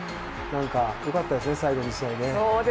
よかったですね、最後の試合ね。